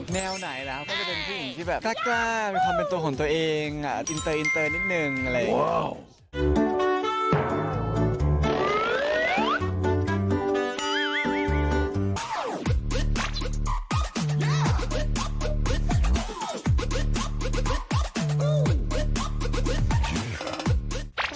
แนวไหนแล้วก็จะเป็นผู้หญิงที่แบบกล้ามาทำเป็นตัวของตัวเองอินเตอร์อินเตอร์นิดนึงอะไรอย่างนี้